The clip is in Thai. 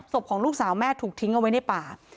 ของลูกสาวแม่ถูกทิ้งเอาไว้ในป่า